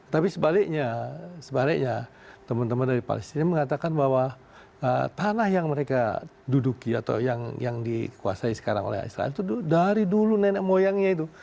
tapi sebaliknya sebaliknya teman teman dari palestina mengatakan bahwa tanah yang mereka duduki atau yang dikuasai sekarang oleh israel itu dari dulu nenek moyangnya itu